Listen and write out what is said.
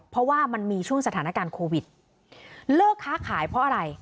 เพราะว่ามันมีช่วงสถานการณ์โควิดเลิกค้าขายเพราะอะไร